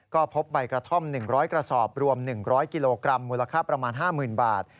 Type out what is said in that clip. ก็พบใบกระท่อม๑๐๐กระสอบรวม๑๐๐กิโลกรัมมูลค่าประมาณ๕๐๐๐บาท